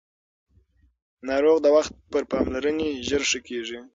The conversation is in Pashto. ناروغ د وخت پر پاملرنې ژر ښه کېږي